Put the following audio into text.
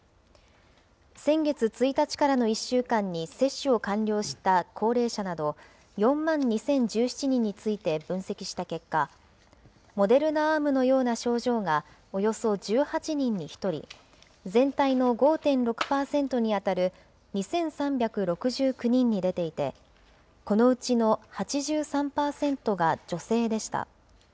先月１日からの１週間に接種を完了した高齢者など４万２０１７人について分析した結果、モデルナ・アームのような症状が、およそ１８人に１人、全体の５．６％に当たる２３６９人に出ていて、このうちの８３％が女性でした。